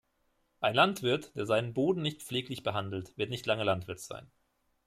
Ein Landwirt, der seinen Boden nicht pfleglich behandelt, wird nicht lange Landwirt sein.